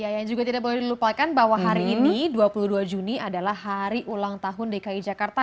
yang juga tidak boleh dilupakan bahwa hari ini dua puluh dua juni adalah hari ulang tahun dki jakarta